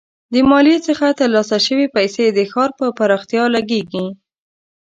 د مالیې څخه ترلاسه شوي پیسې د ښار پر پراختیا لګیږي.